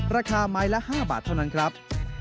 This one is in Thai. ราคาไม้ละ๕บาทเท่านั้นครับ